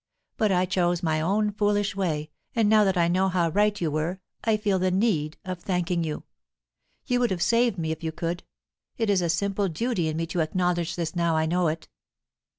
But I chose my own foolish way, and now that I know how right you were, I feel the need of thanking you. You would have saved me if you could. It is a simple duty in me to acknowledge this now I know it."